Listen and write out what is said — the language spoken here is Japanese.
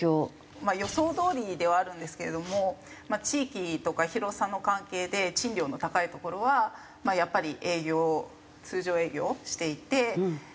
まあ予想どおりではあるんですけれども地域とか広さの関係で賃料の高いところはやっぱり営業通常営業していて。